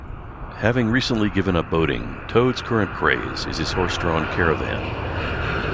Having recently given up boating, Toad's current craze is his horse-drawn caravan.